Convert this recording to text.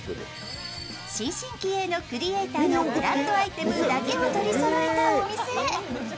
新進気鋭のクリエイターのブランドアイテムだけを取りそろえたお店。